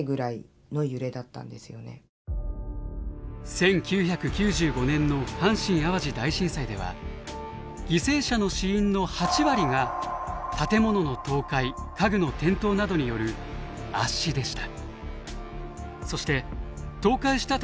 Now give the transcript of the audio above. １９９５年の阪神・淡路大震災では犠牲者の死因の８割が建物の倒壊家具の転倒などによる「圧死」でした。